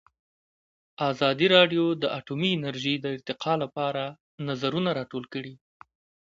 ازادي راډیو د اټومي انرژي د ارتقا لپاره نظرونه راټول کړي.